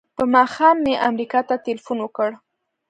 په ماښام مې امریکا ته ټیلفون وکړ.